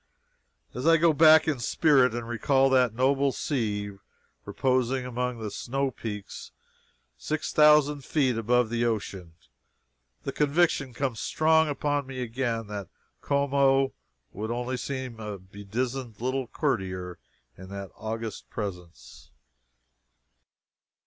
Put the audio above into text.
As I go back in spirit and recall that noble sea, reposing among the snow peaks six thousand feet above the ocean, the conviction comes strong upon me again that Como would only seem a bedizened little courtier in that august presence.